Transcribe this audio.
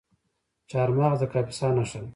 چهارمغز د کاپیسا نښه ده.